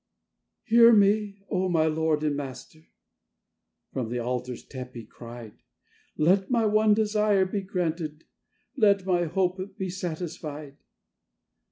"Hear me, O my Lord and Master," from the altar step he cried, "Let my one desire be granted, let my hope be satisfied!